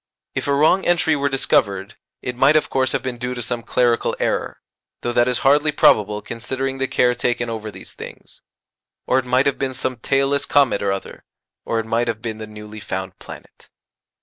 If a wrong entry were discovered, it might of course have been due to some clerical error, though that is hardly probable considering the care taken over these things, or it might have been some tailless comet or other, or it might have been the newly found planet.